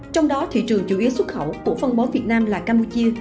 trong đó thị trường chủ yếu xuất khẩu của phân bón việt nam là campuchia